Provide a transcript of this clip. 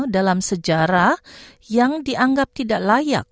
dalam sejarah yang dianggap tidak layak